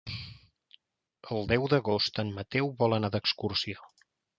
El deu d'agost en Mateu vol anar d'excursió.